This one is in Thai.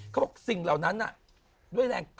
เขาบอกสิ่งเหล่านั้นด้วยแรง